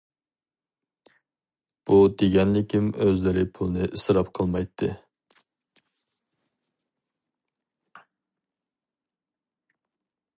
بۇ دېگەنلىكىم ئۆزلىرى پۇلنى ئىسراپ قىلمايتتى.